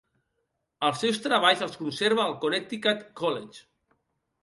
Els seus treballs els conserva el Connecticut College.